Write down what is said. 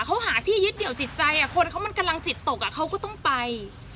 เขาหาที่ยึดเหนียวจิตใจคนเขามันกำลังจิตตกเขาก็ต้องไป